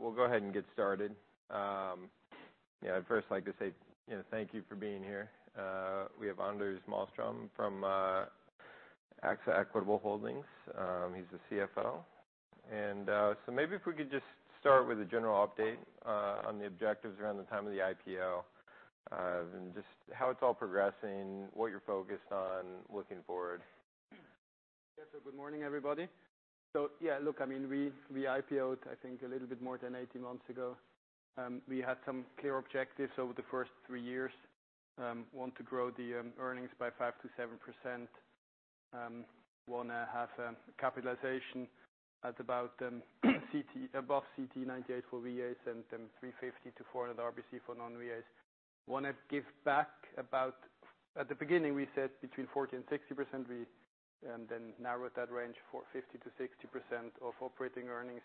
We'll go ahead and get started. I'd first like to say thank you for being here. We have Anders Malmström from AXA Equitable Holdings. He's the CFO. Maybe if we could just start with a general update on the objectives around the time of the IPO, just how it's all progressing, what you're focused on looking forward. Yes. Good morning, everybody. Yeah, look, we IPO'd, I think, a little bit more than 18 months ago. We had some clear objectives over the first three years. Want to grow the earnings by 5%-7%. Want to have a capitalization at about above CTE98 for VAs and then 350-400 RBC for non-VAs. Want to give back about, at the beginning, we said between 40% and 60%, we then narrowed that range for 50%-60% of operating earnings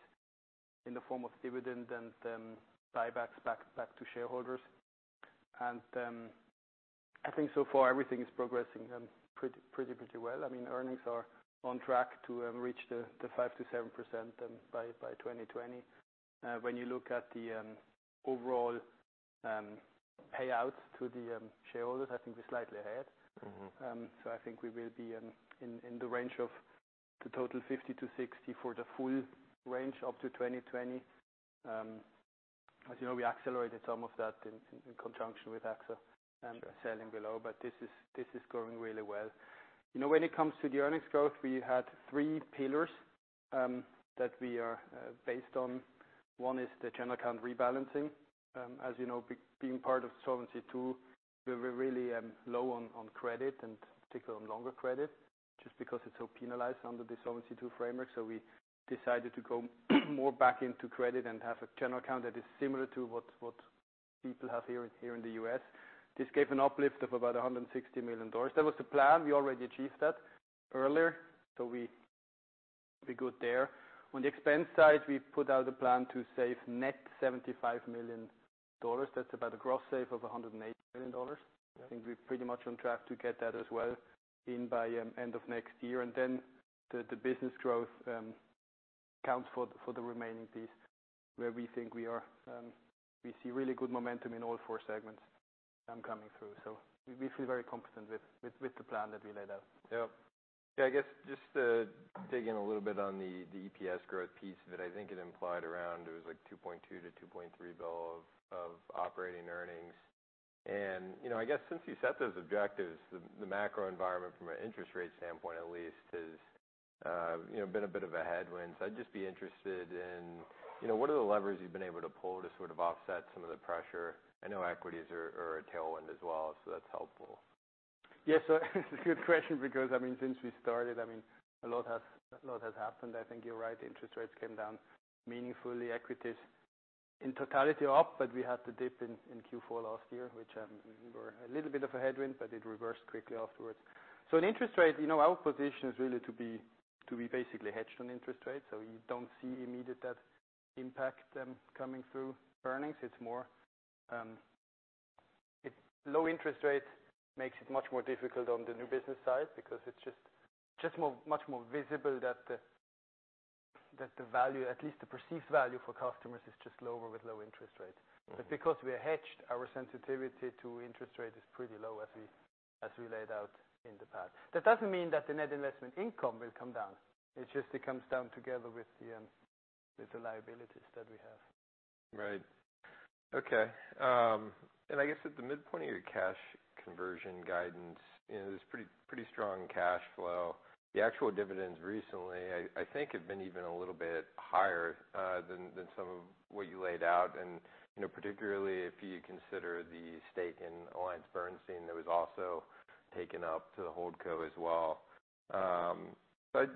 in the form of dividend, then buybacks back to shareholders. I think so far everything is progressing pretty well. Earnings are on track to reach the 5%-7% by 2020. When you look at the overall payout to the shareholders, I think we're slightly ahead. I think we will be in the range of the total 50-60 for the full range up to 2020. As you know, we accelerated some of that in conjunction with AXA- Sure Selling below, but this is going really well. When it comes to the earnings growth, we had three pillars, that we are based on. One is the general account rebalancing. As you know, being part of Solvency II, we were really low on credit and particular on longer credit, just because it's so penalized under the Solvency II framework. We decided to go more back into credit and have a general account that is similar to what people have here in the U.S. This gave an uplift of about $160 million. That was the plan. We already achieved that earlier, so we're good there. On the expense side, we put out a plan to save net $75 million. That's about a gross save of $180 million. Yeah. I think we're pretty much on track to get that as well in by end of next year. The business growth accounts for the remaining piece where we think we are. We see really good momentum in all four segments coming through. We feel very confident with the plan that we laid out. Yep. I guess just to dig in a little bit on the EPS growth piece that I think it implied around, it was like $2.2 billion-$2.3 billion of operating earnings. I guess since you set those objectives, the macro environment from an interest rate standpoint at least, has been a bit of a headwind. I'd just be interested in what are the levers you've been able to pull to sort of offset some of the pressure? I know equities are a tailwind as well, so that's helpful. Yeah. It's a good question because since we started, a lot has happened. I think you're right. Interest rates came down meaningfully. Equities in totality are up, but we had the dip in Q4 last year, which were a little bit of a headwind, but it reversed quickly afterwards. In interest rates, our position is really to be basically hedged on interest rates. You don't see immediate that impact coming through earnings. It's more, low interest rate makes it much more difficult on the new business side because it's just much more visible that the value, at least the perceived value for customers, is just lower with low interest rates. Because we are hedged, our sensitivity to interest rate is pretty low as we laid out in the past. That doesn't mean that the net investment income will come down. It's just it comes down together with the liabilities that we have. Right. Okay. I guess at the midpoint of your cash conversion guidance, there's pretty strong cash flow. The actual dividends recently, I think, have been even a little bit higher than some of what you laid out. Particularly if you consider the stake in AllianceBernstein that was also taken up to the holdco as well. I'd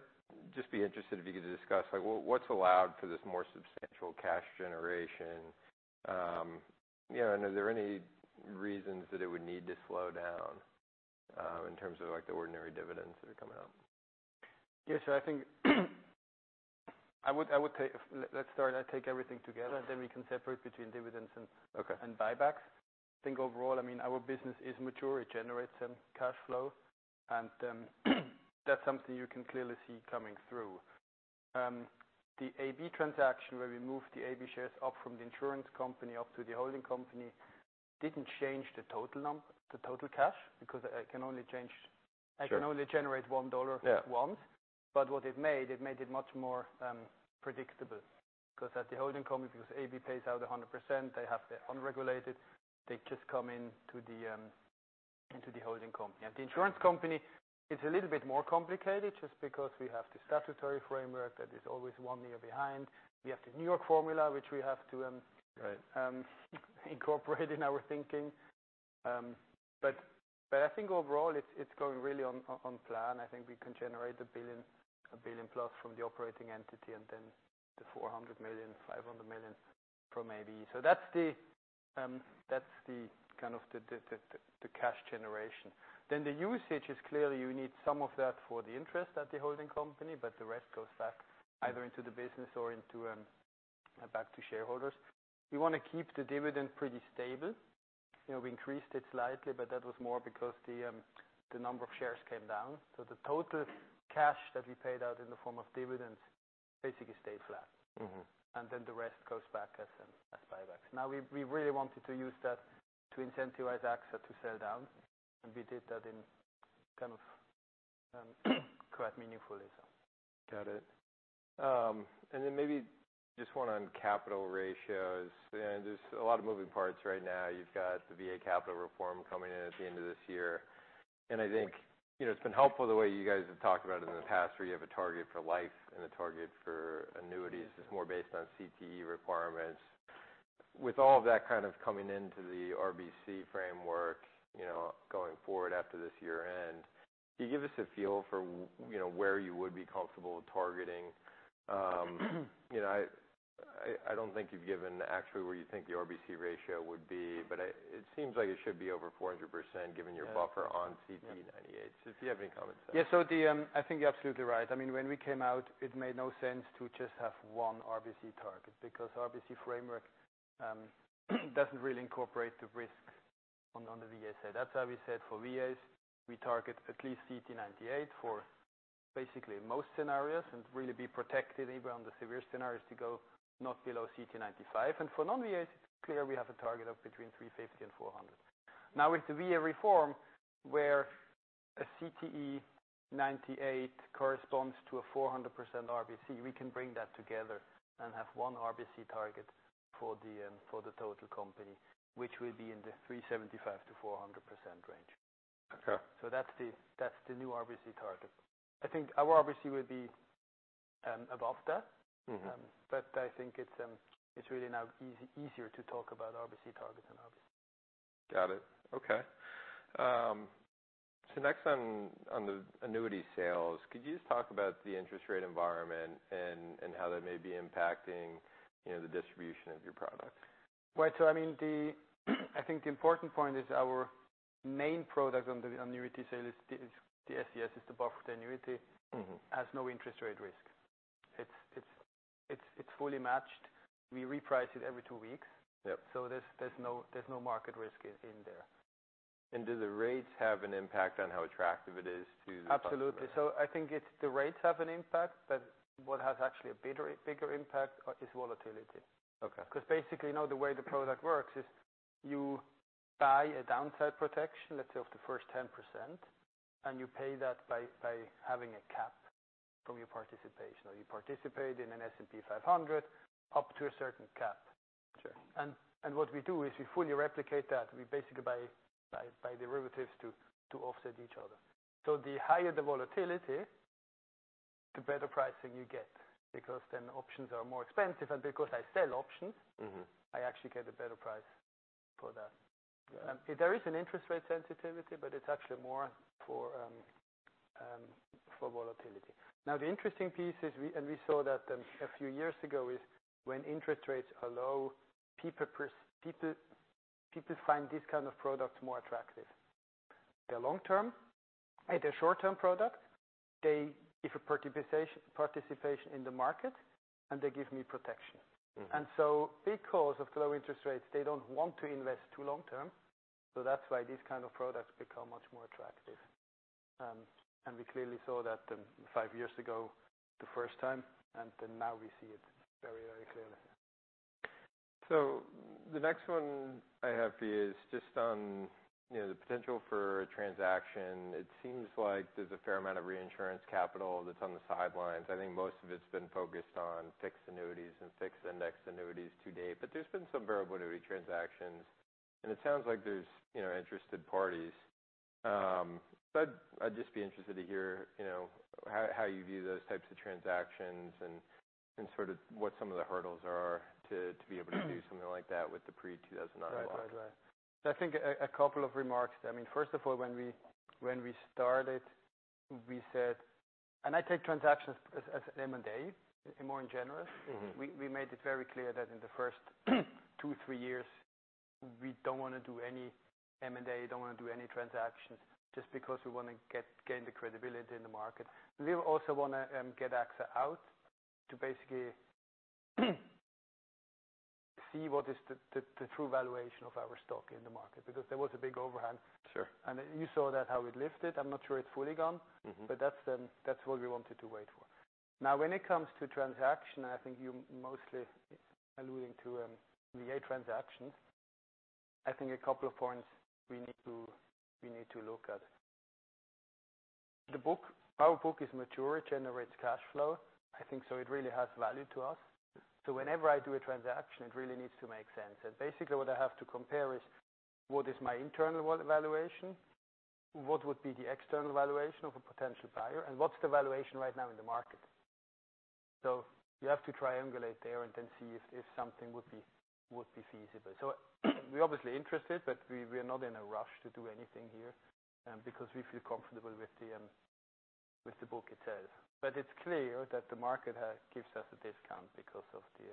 just be interested if you could discuss what's allowed for this more substantial cash generation. Are there any reasons that it would need to slow down in terms of the ordinary dividends that are coming out? Yeah. I think. Let's start and take everything together. We can separate between dividends. Okay I think overall, our business is mature. It generates some cash flow, and that's something you can clearly see coming through. The AB transaction where we moved the AB shares up from the insurance company up to the holding company, didn't change the total cash because I can only generate. Yeah What it made, it made it much more predictable. At the holding company, because AB pays out 100%, they have the unregulated, they just come into the holding company. At the insurance company, it's a little bit more complicated just because we have the statutory framework that is always one year behind. We have the New York formula, which we have to. Right incorporate in our thinking. I think overall it's going really on plan. I think we can generate $1 billion plus from the operating entity, and then $400 million-$500 million from AB. That's the kind of the cash generation. The usage is clearly you need some of that for the interest at the holding company, but the rest goes back either into the business or back to shareholders. We want to keep the dividend pretty stable. We increased it slightly, but that was more because the number of shares came down. The total cash that we paid out in the form of dividends basically stayed flat. The rest goes back as buybacks. We really wanted to use that to incentivize AXA to sell down, and we did that in quite meaningfully. Got it. Maybe just one on capital ratios. There's a lot of moving parts right now. You've got the VA capital reform coming in at the end of this year. I think, it's been helpful the way you guys have talked about it in the past, where you have a target for life and a target for annuities. It's more based on CTE requirements. With all of that coming into the RBC framework, going forward after this year-end, can you give us a feel for where you would be comfortable with targeting? I don't think you've given actually where you think the RBC ratio would be, but it seems like it should be over 400% given your. Yeah on CTE98. If you have any comments there. I think you're absolutely right. When we came out, it made no sense to just have one RBC target because RBC framework doesn't really incorporate the risk on the VA side. That's why we said for VAs, we target at least CTE98 for basically most scenarios, and really be protected even on the severe scenarios to go not below CTE95. For non-VAs, it's clear we have a target of between 350 and 400. Now, with the VA reform, where a CTE98 corresponds to a 400% RBC, we can bring that together and have one RBC target for the total company, which will be in the 375% to 400% range. Okay. That's the new RBC target. I think our RBC will be above that. I think it's really now easier to talk about RBC targets than obviously. Got it. Okay. Next on the annuity sales, could you just talk about the interest rate environment and how that may be impacting the distribution of your product? Right. I think the important point is our main product on the annuity sale is the SCS, is the buffer annuity. Has no interest rate risk. It's fully matched. We reprice it every two weeks. Yep. There's no market risk in there. Do the rates have an impact on how attractive it is to the customer? Absolutely. I think it's the rates have an impact, but what has actually a bigger impact is volatility. Okay. Basically, the way the product works is you buy a downside protection, let's say, of the first 10%, and you pay that by having a cap from your participation, or you participate in an S&P 500 up to a certain cap. Sure. What we do is we fully replicate that. We basically buy derivatives to offset each other. The higher the volatility, the better pricing you get, because then options are more expensive. Because I sell options. I actually get a better price for that. Yeah. There is an interest rate sensitivity, but it's actually more for volatility. The interesting piece is, and we saw that a few years ago, is when interest rates are low, people find these kind of products more attractive. They're long-term and they're short-term product. They give a participation in the market, and they give me protection. Because of low interest rates, they don't want to invest too long-term. That's why these kind of products become much more attractive. We clearly saw that five years ago the first time, and then now we see it very clearly. The next one I have is just on the potential for a transaction. It seems like there's a fair amount of reinsurance capital that's on the sidelines. I think most of it's been focused on fixed annuities and fixed index annuities to date, but there's been some variable annuity transactions, and it sounds like there's interested parties. I'd just be interested to hear how you view those types of transactions and sort of what some of the hurdles are to be able to do something like that with the pre-2009 blocks. Right. I think a couple of remarks. First of all, when we started, we said I take transactions as M&A, more in general. We made it very clear that in the first two, three years, we don't want to do any M&A, don't want to do any transactions, just because we want to gain the credibility in the market. We also want to get AXA out to basically see what is the true valuation of our stock in the market, because there was a big overhang. Sure. You saw that, how it lifted. I'm not sure it's fully gone. That's what we wanted to wait for. Now, when it comes to transaction, I think you mostly alluding to VA transactions. I think a couple of points we need to look at. The book, our book is mature. It generates cash flow, I think, so it really has value to us. Whenever I do a transaction, it really needs to make sense. Basically, what I have to compare is, what is my internal valuation? What would be the external valuation of a potential buyer? What's the valuation right now in the market? You have to triangulate there and then see if something would be feasible. We're obviously interested, but we are not in a rush to do anything here, because we feel comfortable with the book itself. It's clear that the market gives us a discount because of the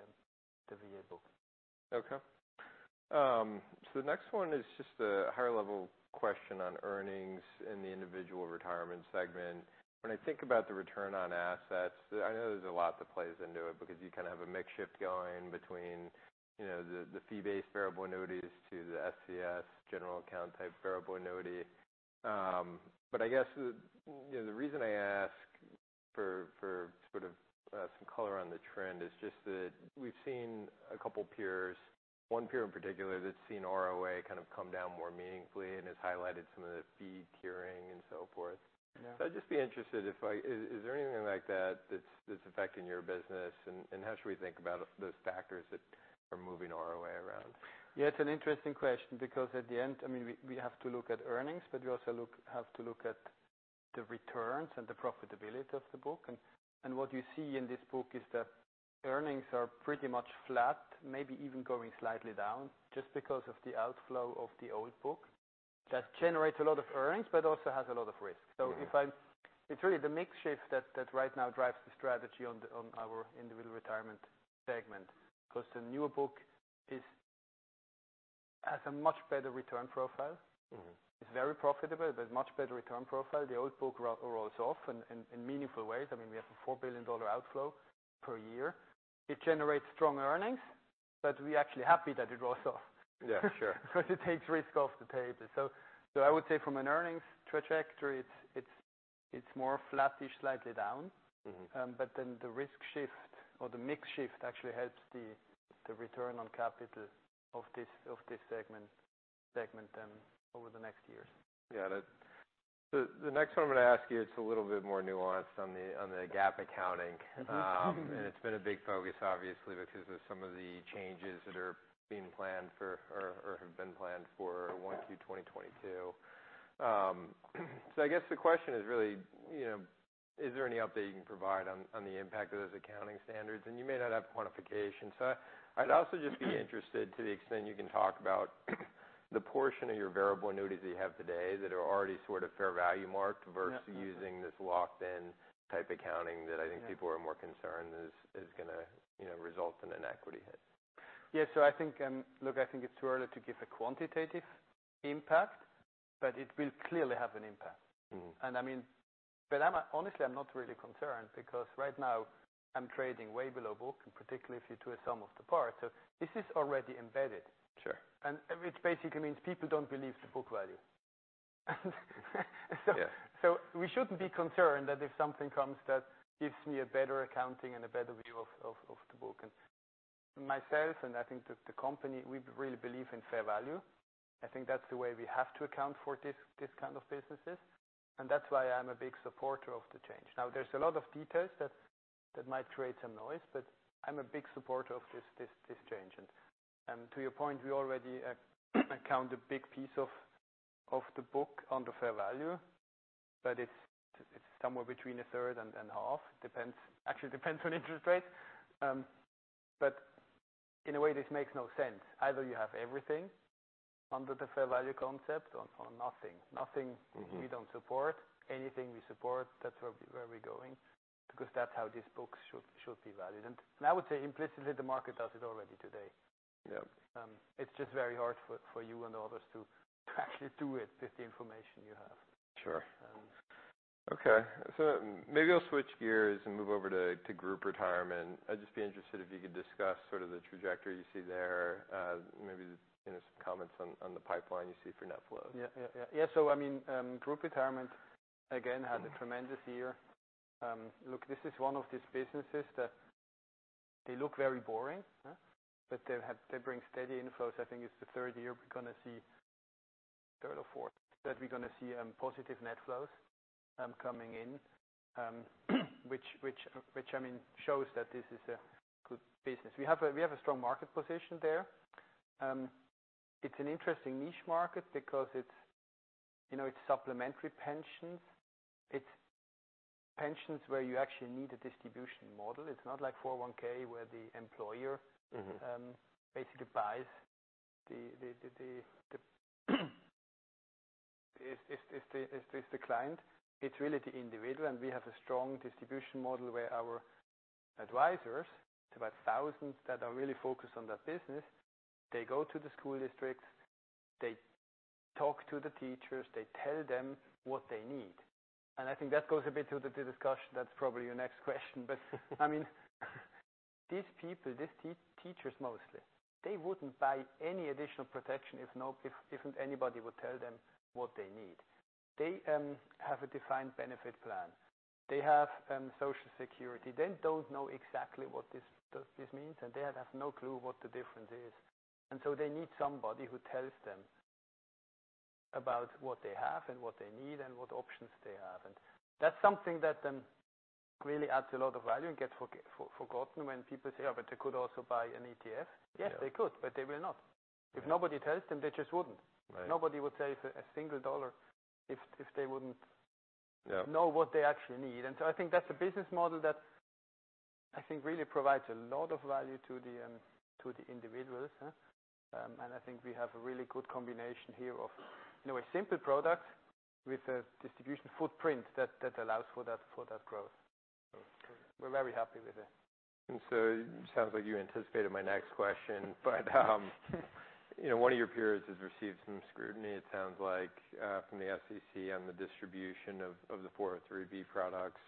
VA book. Okay. The next one is a higher level question on earnings in the individual retirement segment. When I think about the return on assets, I know there's a lot that plays into it because you have a mix shift going between, the fee-based variable annuities to the SCS general account type variable annuity. I guess, the reason I ask for some color on the trend is just that we've seen a couple peers, one peer in particular that's seen ROA come down more meaningfully and has highlighted some of the fee tiering and so forth. Yeah. I'd just be interested, is there anything like that that's affecting your business? How should we think about those factors that are moving ROA around? Yeah, it's an interesting question because at the end, we have to look at earnings, but we also have to look at the returns and the profitability of the book. What you see in this book is that earnings are pretty much flat, maybe even going slightly down just because of the outflow of the old book that generates a lot of earnings, but also has a lot of risk. It's really the mix shift that right now drives the strategy on our individual retirement segment. The newer book has a much better return profile. It's very profitable, but much better return profile. The old book rolls off in meaningful ways. We have a $4 billion outflow per year. It generates strong earnings, but we're actually happy that it rolls off. Yeah, sure. It takes risk off the table. I would say from an earnings trajectory, it's more flattish, slightly down. The risk shift or the mix shift actually helps the return on capital of this segment then over the next years. Yeah. The next one I'm going to ask you, it's a little bit more nuanced on the GAAP accounting. It's been a big focus, obviously, because of some of the changes that are being planned for or have been planned for 1Q 2022. I guess the question is really, is there any update you can provide on the impact of those accounting standards? You may not have quantification. I'd also just be interested to the extent you can talk about the portion of your Variable Annuities that you have today that are already fair value marked Yeah versus using this locked-in type accounting that I think people are more concerned is going to result in an equity hit. Yeah. Look, I think it's too early to give a quantitative impact, but it will clearly have an impact. Honestly, I'm not really concerned because right now I'm trading way below book, and particularly if you do a sum of the parts. This is already embedded. Sure. Which basically means people don't believe the book value. Yeah. We shouldn't be concerned that if something comes that gives me a better accounting and a better view of the book. Myself, and I think the company, we really believe in fair value. I think that's the way we have to account for this kind of businesses, and that's why I'm a big supporter of the change. There's a lot of details that might create some noise, but I'm a big supporter of this change. To your point, we already account a big piece of the book under fair value. It's somewhere between a third and half. Actually, it depends on interest rates. In a way this makes no sense. Either you have everything under the fair value concept or nothing. We don't support. Anything we support, that's where we're going because that's how this book should be valued. I would say implicitly, the market does it already today. Yep. It's just very hard for you and others to actually do it with the information you have. Sure. Okay. Maybe I'll switch gears and move over to group retirement. I'd just be interested if you could discuss sort of the trajectory you see there. Maybe some comments on the pipeline you see for net flow. Yeah. Group retirement, again, had a tremendous year. Look, this is one of these businesses that they look very boring. Yeah. They bring steady inflows. I think it's the third year we're going to see, third or fourth, that we're going to see positive net flows coming in, which shows that this is a good business. We have a strong market position there. It's an interesting niche market because it's supplementary pensions. It's pensions where you actually need a distribution model. It's not like 401 where the employer- basically buys the client. It's really the individual, we have a strong distribution model where our advisors, there are thousands that are really focused on that business. They go to the school districts, they talk to the teachers, they tell them what they need. I think that goes a bit to the discussion, that's probably your next question. These people, these teachers mostly, they wouldn't buy any additional protection if anybody would tell them what they need. They have a defined benefit plan. They have Social Security. They don't know exactly what this means, and they have no clue what the difference is. They need somebody who tells them about what they have and what they need and what options they have. That's something that really adds a lot of value and gets forgotten when people say, "Oh, but they could also buy an ETF. Yeah. Yes, they could, but they will not. Right. If nobody tells them, they just wouldn't. Right. Nobody would pay for a single dollar if they wouldn't. Yeah know what they actually need. I think that's a business model that I think really provides a lot of value to the individuals. I think we have a really good combination here of a simple product with a distribution footprint that allows for that growth. We're very happy with it. It sounds like you anticipated my next question, but one of your peers has received some scrutiny, it sounds like, from the SEC on the distribution of the 403 products.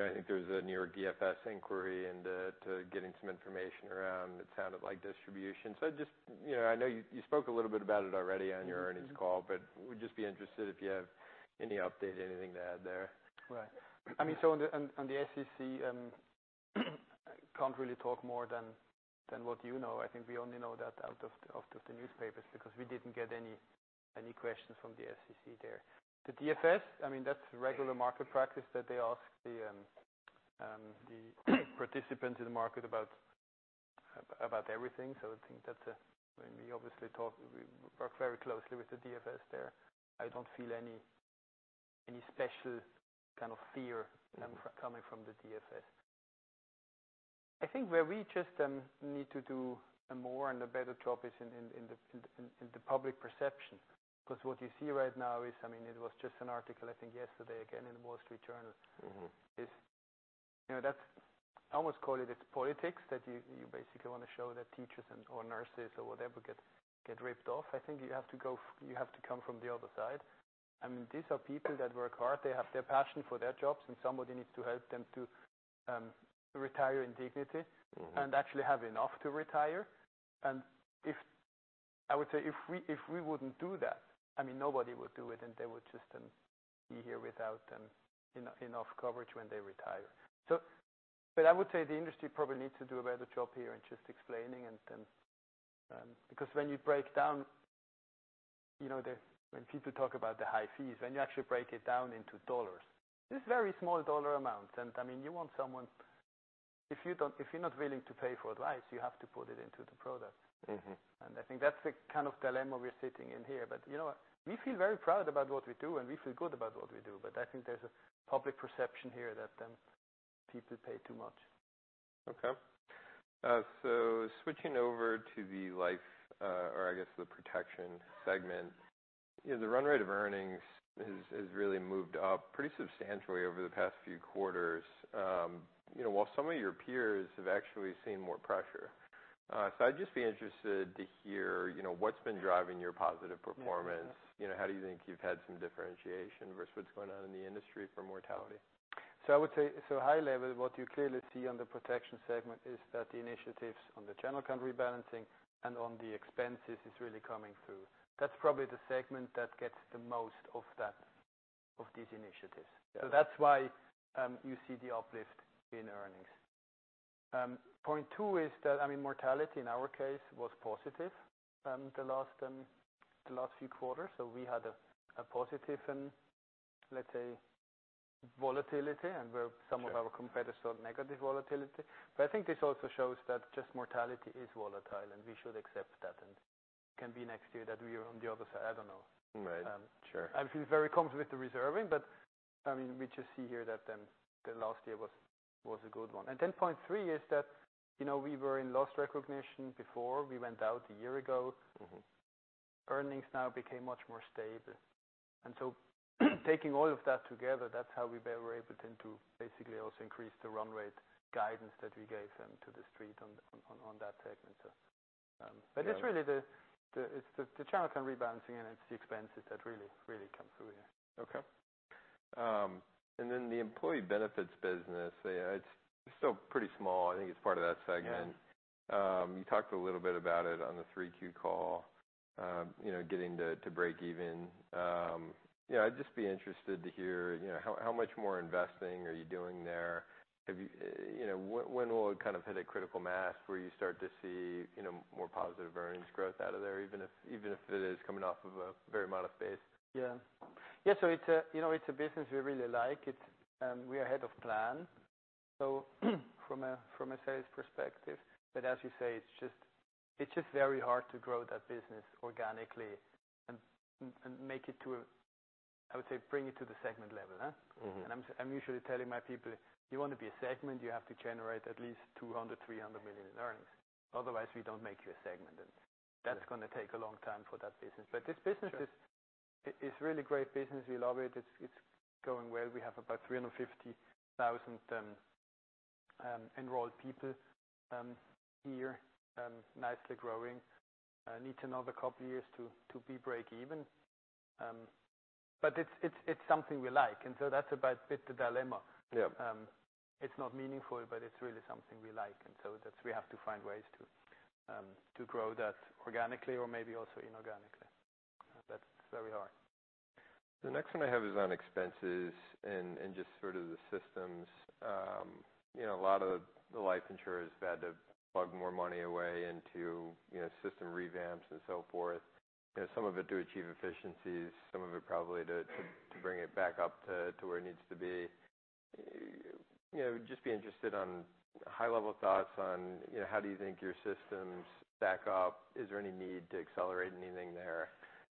I think there's a New York DFS inquiry into getting some information around, it sounded like distribution. I know you spoke a little bit about it already on your earnings call, but would just be interested if you have any update, anything to add there. Right. On the SEC, I can't really talk more than what you know. I think we only know that out of the newspapers, because we didn't get any questions from the SEC there. The DFS, that's regular market practice that they ask the participant in the market about everything. I think that we obviously work very closely with the DFS there. I don't feel any special kind of fear coming from the DFS. I think where we just need to do more and a better job is in the public perception. Because what you see right now is, it was just an article, I think yesterday, again, in The Wall Street Journal. I almost call it it's politics, that you basically want to show that teachers or nurses or whatever get ripped off. I think you have to come from the other side. These are people that work hard. They have their passion for their jobs, and somebody needs to help them to retire in dignity. Actually have enough to retire. I would say, if we wouldn't do that, nobody would do it, and they would just be here without enough coverage when they retire. I would say the industry probably needs to do a better job here in just explaining. When you break down, when people talk about the high fees, when you actually break it down into dollars, it's very small dollar amounts. You want someone. If you're not willing to pay for advice, you have to put it into the product. I think that's the kind of dilemma we're sitting in here. You know what? We feel very proud about what we do, and we feel good about what we do. I think there's a public perception here that people pay too much. Switching over to the life, or I guess, the protection segment. The run rate of earnings has really moved up pretty substantially over the past few quarters. While some of your peers have actually seen more pressure. I'd just be interested to hear what's been driving your positive performance. How do you think you've had some differentiation versus what's going on in the industry for mortality? I would say, high level, what you clearly see on the protection segment is that the initiatives on the channel rebalancing and on the expenses is really coming through. That's probably the segment that gets the most of these initiatives. Yeah. That's why you see the uplift in earnings. Point 2, mortality in our case, was positive the last few quarters. We had a positive in, let's say, volatility, and where some of our competitors saw negative volatility. I think this also shows that just mortality is volatile, and we should accept that. It can be next year that we are on the other side. I don't know. Right. Sure. I feel very comfortable with the reserving, we just see here that the last year was a good one. Point 3, we were in loss recognition before we went out a year ago. Earnings now became much more stable. Taking all of that together, that's how we were able then to basically also increase the run rate guidance that we gave them to the Street on that segment. It's really the channel rebalancing, and it's the expenses that really come through here. Okay. Then the employee benefits business, it's still pretty small. I think it's part of that segment. Yeah. You talked a little bit about it on the 3Q call, getting to break even. I'd just be interested to hear how much more investing are you doing there? When will it hit a critical mass where you start to see more positive earnings growth out of there, even if it is coming off of a very modest base? Yeah. It's a business we really like. We are ahead of plan, so from a sales perspective. As you say, it's just very hard to grow that business organically and make it to, I would say, bring it to the segment level. I'm usually telling my people, "You want to be a segment, you have to generate at least $200 million, $300 million in earnings. Otherwise, we don't make you a segment." That's going to take a long time for that business. This business is. Sure It's really great business. We love it. It's going well. We have about 350,000 enrolled people here, nicely growing. Need another couple of years to be break-even. That's about a bit the dilemma. Yeah. It's not meaningful. It's really something we like. We have to find ways to grow that organically or maybe also inorganically. That's where we are. The next one I have is on expenses and just sort of the systems. A lot of the life insurers have had to plug more money away into system revamps and so forth. Some of it to achieve efficiencies, some of it probably to bring it back up to where it needs to be. Just be interested on high-level thoughts on how do you think your systems stack up? Is there any need to accelerate anything there?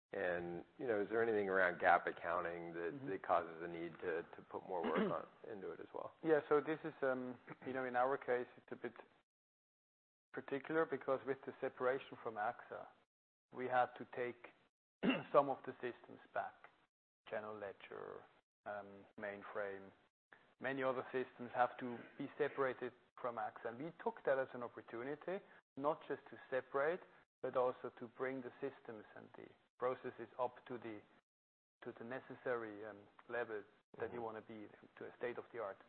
Is there anything around GAAP accounting that causes a need to put more work into it as well? This is, in our case, it's a bit particular because with the separation from AXA, we had to take some of the systems back. General ledger, mainframe. Many other systems have to be separated from AXA. We took that as an opportunity not just to separate, but also to bring the systems and the processes up to the necessary levels that you want to be, to a state-of-the-art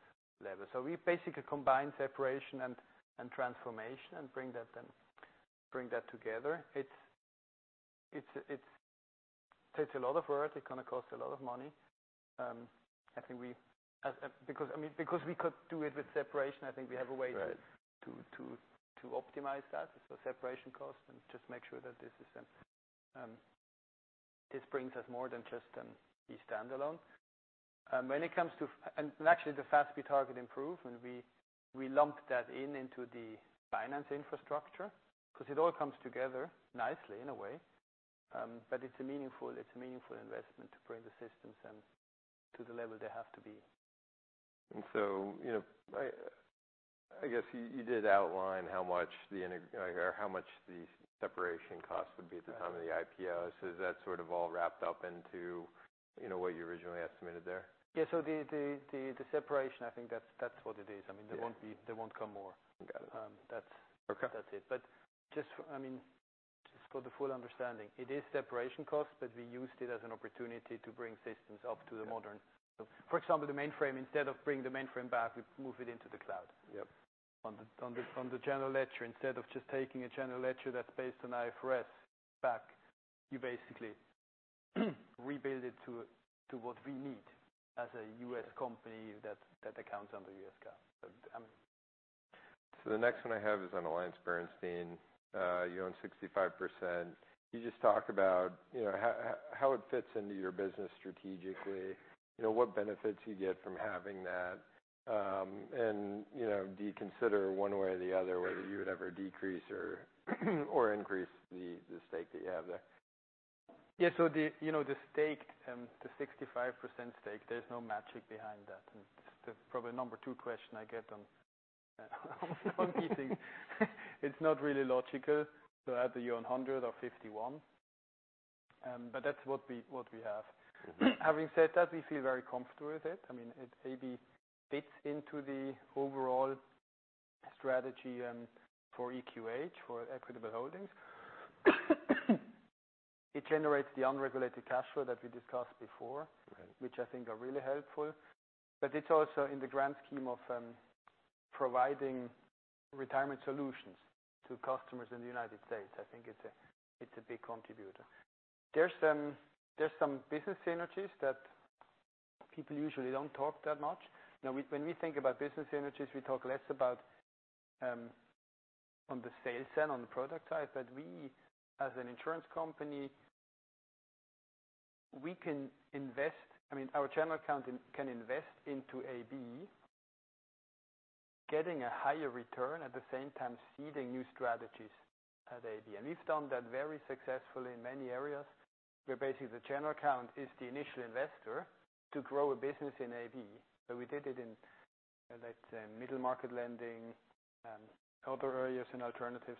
level. We basically combine separation and transformation and bring that together. It takes a lot of work. It's going to cost a lot of money. Because we could do it with separation, I think we have a way- Right To optimize that. Separation cost and just make sure that this brings us more than just the standalone. Actually, the FASB targeted improvement, and we lump that in into the finance infrastructure. It all comes together nicely, in a way. It's a meaningful investment to bring the systems in to the level they have to be. I guess you did outline how much the integration or how much the separation cost would be at the time of the IPO. Is that sort of all wrapped up into what you originally estimated there? Yeah. The separation, I think that's what it is. There won't come more. Got it. That's- Okay that's it. Just for the full understanding, it is separation cost, but we used it as an opportunity to bring systems up to the modern. For example, the mainframe, instead of bringing the mainframe back, we've moved it into the cloud. Yep. On the general ledger, instead of just taking a general ledger that's based on IFRS back, you basically rebuild it to what we need as a U.S. company that accounts under US GAAP. The next one I have is on AllianceBernstein. You own 65%. Can you just talk about how it fits into your business strategically, what benefits you get from having that. Do you consider one way or the other whether you would ever decrease or increase the stake that you have there? Yeah. The 65% stake, there's no magic behind that. This is probably number two question I get on these things. It's not really logical to either own 100 or 51. That's what we have. Having said that, we feel very comfortable with it. It maybe fits into the overall strategy, for EQH, for Equitable Holdings. It generates the unregulated cash flow that we discussed before. Okay which I think are really helpful. It's also in the grand scheme of providing retirement solutions to customers in the U.S. I think it's a big contributor. There's some business synergies that people usually don't talk that much. When we think about business synergies, we talk less about on the sales side, on the product side. We, as an insurance company, our general account can invest into AB, getting a higher return, at the same time seeding new strategies at AB. We've done that very successfully in many areas, where basically the general account is the initial investor to grow a business in AB. We did it in, let's say, middle market lending and other areas in alternatives.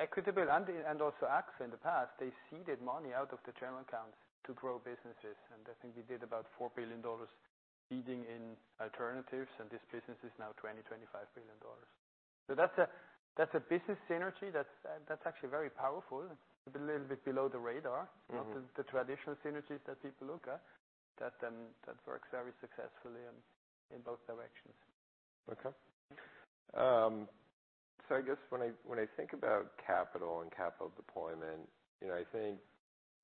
Equitable and also AXA, in the past, they seeded money out of the general accounts to grow businesses. I think we did about $4 billion seeding in alternatives, and this business is now $20 billion-$25 billion. That's a business synergy that's actually very powerful. It's a little bit below the radar- not the traditional synergies that people look at. That works very successfully in both directions. Okay. I guess when I think about capital and capital deployment, I think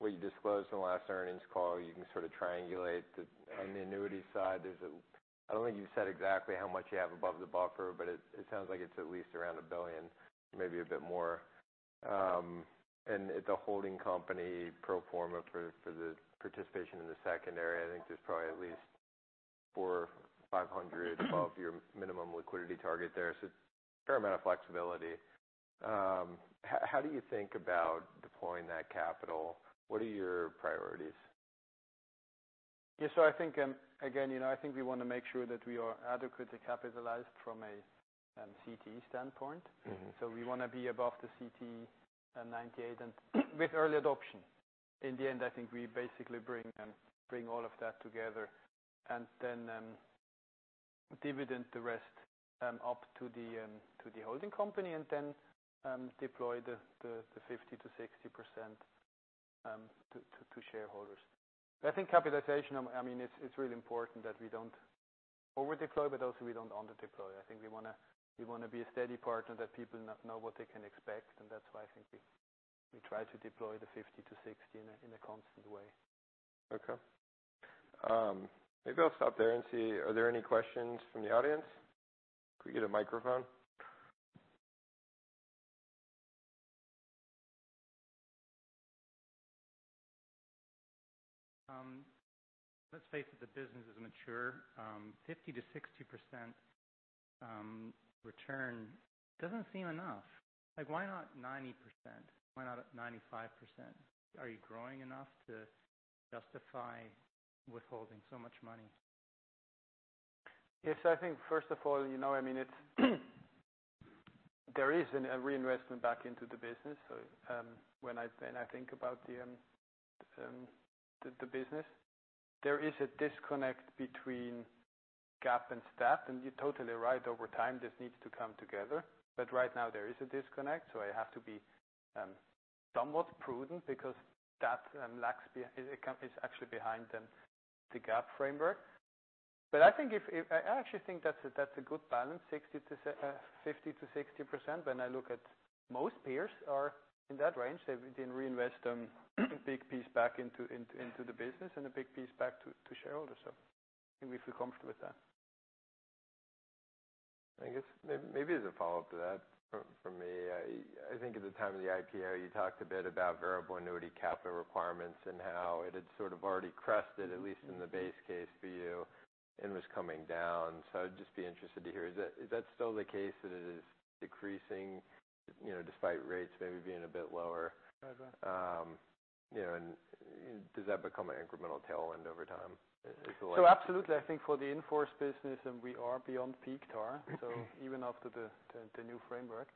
what you disclosed in the last earnings call, you can sort of triangulate. On the annuity side, I don't think you've said exactly how much you have above the buffer, but it sounds like it's at least around $1 billion, maybe a bit more. At the holding company, pro forma for the participation in the secondary, I think there's probably at least $400 million-$500 million above your minimum liquidity target there. It's a fair amount of flexibility. How do you think about deploying that capital? What are your priorities? Yeah. Again, I think we want to make sure that we are adequately capitalized from a CTE standpoint. We want to be above the CTE, CTE98, and with early adoption. In the end, I think we basically bring all of that together and then dividend the rest up to the holding company, and then deploy the 50%-60% to shareholders. I think capitalization, it's really important that we don't over deploy, but also we don't under deploy. I think we want to be a steady partner that people know what they can expect. That's why I think we try to deploy the 50%-60% in a constant way. Okay. Maybe I'll stop there and see, are there any questions from the audience? Could we get a microphone? Let's face it, the business is mature. 50%-60% return doesn't seem enough. Why not 90%? Why not 95%? Are you growing enough to justify withholding so much money? Yes, I think first of all, there is a reinvestment back into the business. When I think about the business, there is a disconnect between GAAP and STAT, and you're totally right. Over time, this needs to come together. Right now, there is a disconnect, so I have to be somewhat prudent because that's actually behind the GAAP framework. I actually think that's a good balance, 50%-60%. When I look at most peers are in that range. They then reinvest a big piece back into the business and a big piece back to shareholders. I think we feel comfortable with that. I guess maybe as a follow-up to that from me, I think at the time of the IPO, you talked a bit about variable annuity capital requirements and how it had sort of already crested, at least in the base case for you, and was coming down. I'd just be interested to hear, is that still the case, that it is decreasing despite rates maybe being a bit lower? Right. Does that become an incremental tailwind over time? Absolutely. I think for the in-force business, we are beyond peak TAR, even after the new framework,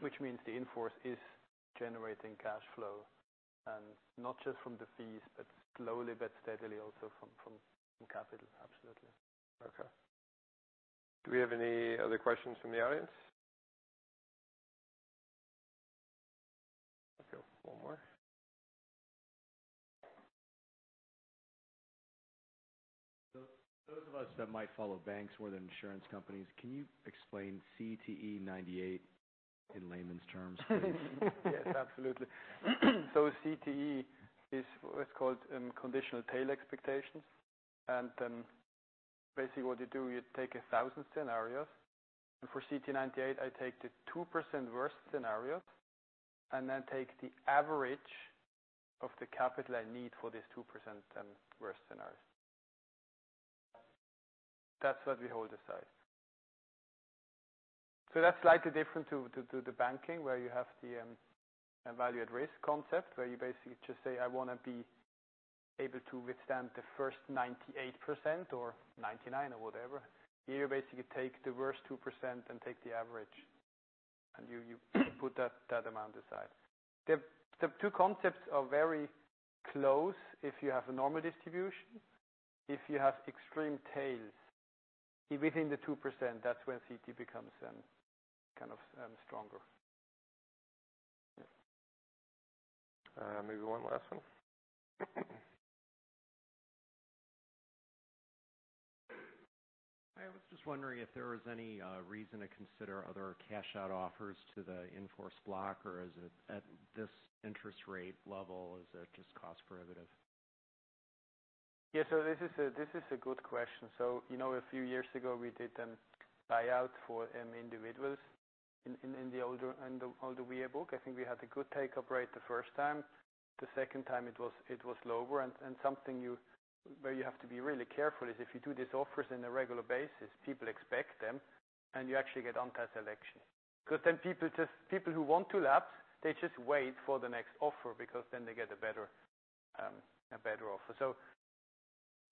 which means the in-force is generating cash flow, and not just from the fees, but slowly but steadily, also from capital. Absolutely. Okay. Do we have any other questions from the audience? Okay, one more. Those of us that might follow banks more than insurance companies, can you explain CTE98 in layman's terms, please? Yes, absolutely. CTE is what's called conditional tail expectation. Basically what you do, you take 1,000 scenarios, and for CTE98, I take the 2% worst scenarios and then take the average of the capital I need for these 2% worst scenarios. That's what we hold aside. That's slightly different to the banking, where you have the Value at Risk concept, where you basically just say, "I want to be able to withstand the first 98% or 99," or whatever. Here, you basically take the worst 2% and take the average, and you put that amount aside. The two concepts are very close if you have a normal distribution. If you have extreme tails within the 2%, that's when CTE becomes kind of stronger. Yeah. Maybe one last one. I was just wondering if there was any reason to consider other cash out offers to the in-force block, or is it at this interest rate level, is it just cost prohibitive? This is a good question. A few years ago we did buyouts for individuals in the older VA book. I think we had a good take-up rate the first time. The second time it was lower. Something where you have to be really careful is if you do these offers on a regular basis, people expect them, and you actually get anti-selection. People who want to lapse, they just wait for the next offer because then they get a better offer.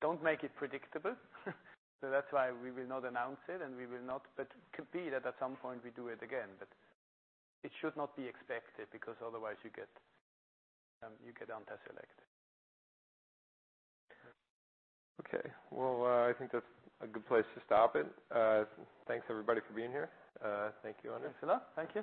Don't make it predictable. That's why we will not announce it and we will not compete at some point we do it again. It should not be expected, because otherwise you get anti-selection. I think that's a good place to stop it. Thanks everybody for being here. Thank you, Andres. Thanks a lot. Thank you.